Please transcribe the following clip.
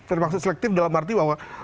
termasuk selektif dalam arti bahwa